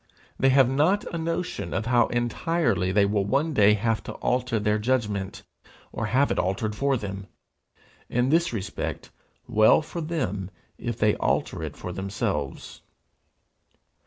They have not a notion how entirely they will one day have to alter their judgment, or have it altered for them, in this respect: well for them if they alter it for themselves!